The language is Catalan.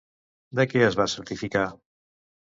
De què es va certificar?